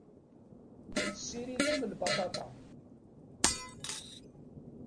Tessiridem lbaṭaṭa.